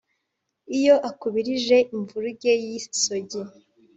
Iyo akubirije imvuruge y’isogi